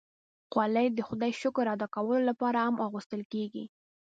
خولۍ د خدای شکر ادا کولو لپاره هم اغوستل کېږي.